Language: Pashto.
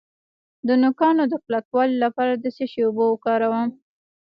د نوکانو د کلکوالي لپاره د څه شي اوبه وکاروم؟